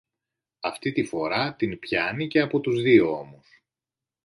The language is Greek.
Αυτή τη φορά την πιάνει και από τους δύο ώμους